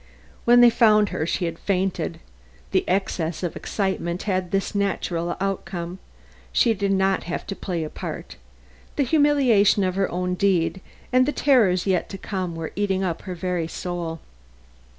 When they found her she had fainted; the excess of excitement has this natural outcome. She did not have to play a part, the humiliation of her own deed and the terrors yet to come were eating up her very soul.